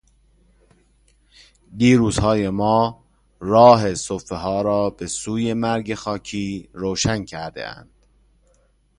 دیروزهای ما راه سفها را بهسوی مرگ خاکی روشن کردهاند...